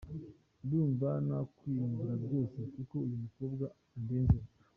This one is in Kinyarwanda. Ndumva nakwiyamburabyose kuko uyu mukobwa andenzeho.